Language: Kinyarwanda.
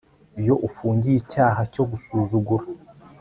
Iyo ufungiye icyaha cyo gusuzugura